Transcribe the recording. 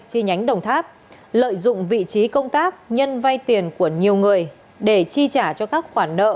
chi nhánh đồng tháp lợi dụng vị trí công tác nhân vay tiền của nhiều người để chi trả cho các khoản nợ